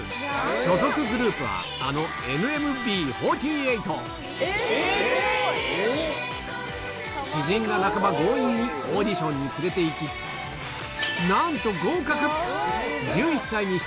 所属グループはあの知人が半ば強引にオーディションに連れて行きなんと合格！